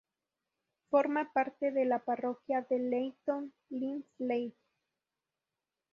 Forma parte de la parroquia de Leighton-Linslade.